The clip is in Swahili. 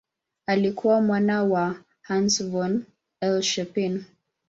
Alikuwa mwana wa Hans von Euler-Chelpin.